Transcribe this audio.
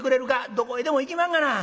「どこへでも行きまんがな。